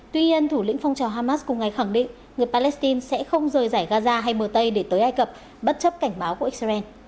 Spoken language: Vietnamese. tuy nhiên thủ lĩnh phong trào hamas cùng ngày khẳng định người palestine sẽ không rời giải gaza hay mờ tây để tới ai cập bất chấp cảnh báo của israel